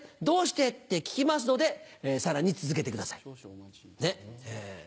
「どうして？」って聞きますのでさらに続けてください。